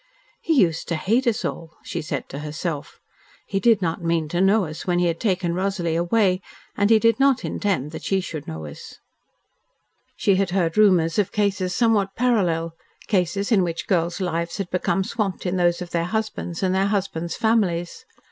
"He used to hate us all," she said to herself. "He did not mean to know us when he had taken Rosalie away, and he did not intend that she should know us." She had heard rumours of cases somewhat parallel, cases in which girls' lives had become swamped in those of their husbands, and their husbands' families.